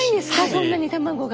そんなに卵が。